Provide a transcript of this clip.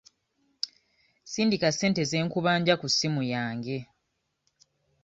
Sindika ssente ze nkubanja ku ssimu yange.